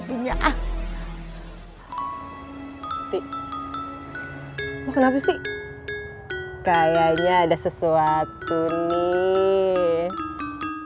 gimana sih kayaknya ada sesuatu nih